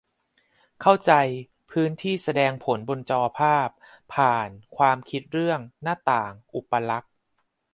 เข้าใจ 'พื้นที่แสดงผลบนจอภาพ' ผ่าน ความคิดเรื่อง 'หน้าต่าง' อุปลักษณ์